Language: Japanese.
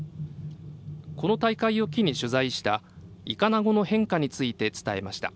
この大会を機に取材したイカナゴの変化について伝えました。